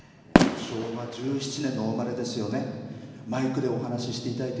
昭和１７年のお生まれですよね。